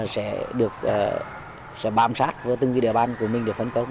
sẽ được bám sát vào từng địa bàn của mình để phân công